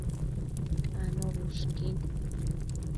Anobi ushquin